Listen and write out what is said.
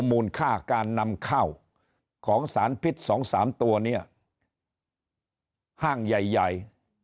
มูลค่าการนำเข้าของสารพิษสองสามตัวเนี่ยห้างใหญ่ใหญ่